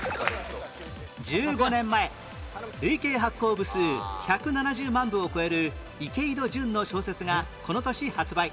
１５年前累計発行部数１７０万部を超える池井戸潤の小説がこの年発売